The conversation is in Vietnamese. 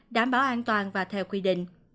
đảm bảo an toàn và theo quy định